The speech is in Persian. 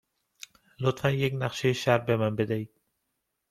لطفاً یک نقشه شهر به من بدهید.